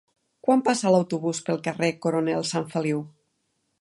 Quan passa l'autobús pel carrer Coronel Sanfeliu?